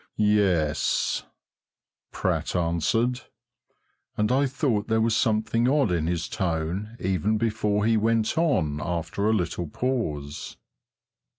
"Yes," Pratt answered, and I thought there was something odd in his tone even before he went on after a little pause.